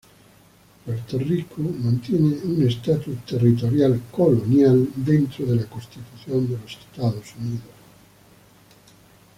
Puerto Rico mantiene un estatus territorial dentro de la constitución de los Estados Unidos.